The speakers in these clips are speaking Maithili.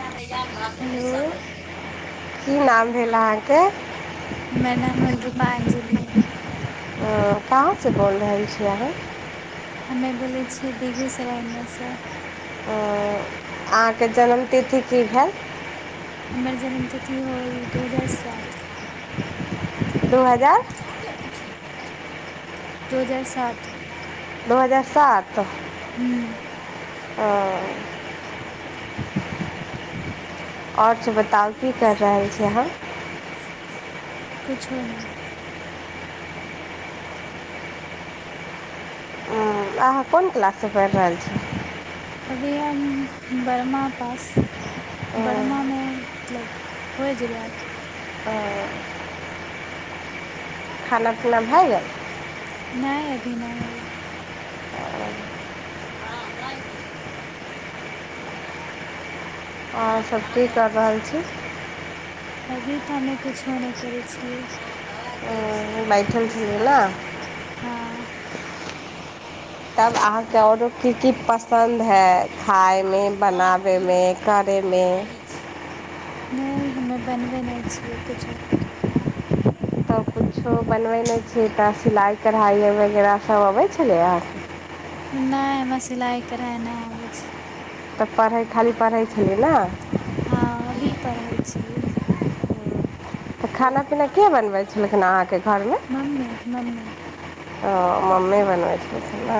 हेलोरा की नाम भेल अहाँके नाम भले रूपांजलि [inaudible] कहाँसँ बोलि रहल छी अहाँ हमे बोलै छियै बेगूसरायमे से आ अहाँके जनमतिथि की भेल हमर जनमतिथि होल दू हजार सात दू हजार दू हजार सात दू हजार सात ओ ह्म आओर त बताउ की कर रहल छी अहाँ किछो नहि अहाँ कोन क्लाससँ पढ़ि रहल छी अभी हम बर्मा पास बढ़मामे मतलब होइ जेबै आब खाना पीना भए गेल नहि अभी नहि होल आ हँ न की करल आओर सब की करि रहल छी हँभी तऽ हमे कुछो नहि करै छियै दबाइ दै छी खाली बैठल छलियै घुसकै ने छै तब अहाँके की की पसन्द है खाायमे बनाबैमे करयमे नहि हमे बनबै नहि छियै किछो क किछु बनबै नहि छिय तऽ सिलाइ कढ़ाइ वगैरह सब अबै छलैके नहि हमरा सिलाइ करढ़ाइ नहि आबै छै तऽ पढ़ै खाली पढ़ै छलियै ने हँ अही पढ़ै छी तऽ खाना पीना के बनबै छलखिन अहाँके घरमे मम्मी मम्मी ओ मम्मी बनबै छलखिन [inaudible]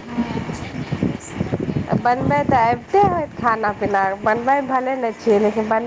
छै ने बनबै तऽ अबिते होैत खाना पीना बनबै भले नहि छियै लेकिन